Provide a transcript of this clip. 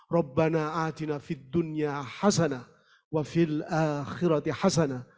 rabbana atina fid dunya hasana wa fil akhirati hasana